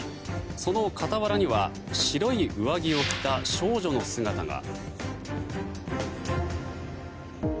その傍らには白い上着を着た少女の姿が。